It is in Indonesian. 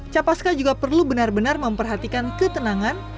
capaska juga perlu benar benar memperhatikan ketenangan